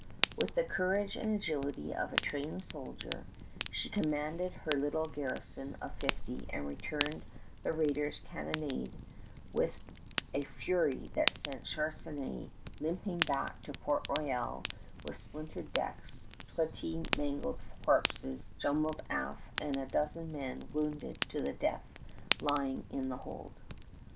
With the courage and agility of a trained soldier, she commanded her little garrison of fifty and returned the raider's cannonade with a fury that sent Charnisay limping back to Port Royal with splintered decks, twenty mangled corpses jumbled aft, and a dozen men wounded to the death lying in the hold.